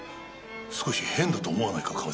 少し変だと思わないか？